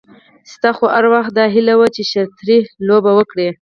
ستا خو هر وخت داهیله وه چې شرطي لوبه وکړې.